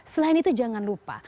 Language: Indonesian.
selain itu jangan lupa